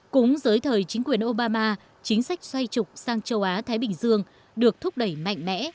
cũng dưới thời chính quyền obama chính sách xoay trục sang châu á thái bình dương được thúc đẩy mạnh mẽ